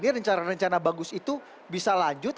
rencana rencana bagus itu bisa lanjut